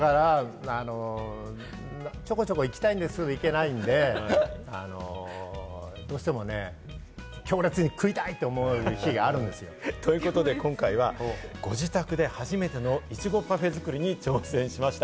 ちょこちょこ行きたいんですけれど、行けないんで、どうしても強烈に食いたいと思う日があるんですよ。ということで、今回はご自宅で初めてのいちごパフェ作りに挑戦しました。